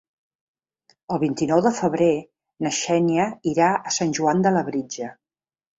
El vint-i-nou de febrer na Xènia irà a Sant Joan de Labritja.